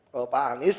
kalau pak anies